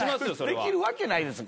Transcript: できるわけないです